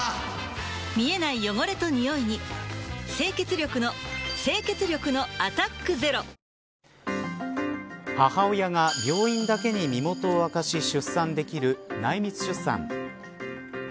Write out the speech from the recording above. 見えない汚れとニオイに清潔力の清潔力の「アタックＺＥＲＯ」母親が病院だけに身元を明かし出産できる内密出産。